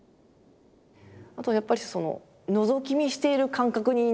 あとやっぱりのぞき見している感覚になりますよね